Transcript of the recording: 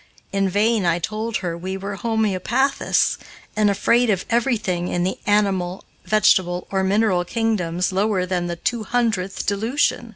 In vain I told her we were homeopathists, and afraid of everything in the animal, vegetable, or mineral kingdoms lower than the two hundredth dilution.